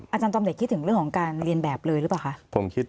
อาจารย์จอมเด็กคิดถึงเรื่องของการเรียนแบบเลยหรือเปล่าคะ